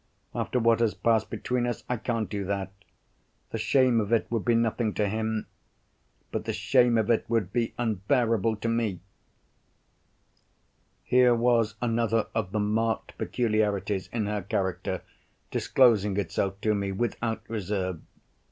After what has passed between us, I can't do that! The shame of it would be nothing to him. But the shame of it would be unendurable to me." Here was another of the marked peculiarities in her character disclosing itself to me without reserve.